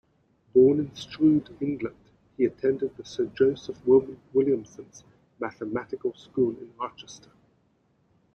Born in Strood, England, he attended the Sir Joseph Williamson's Mathematical School in Rochester.